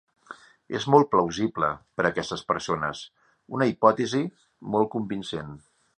És molt plausible per a aquestes persones, una hipòtesi molt convincent.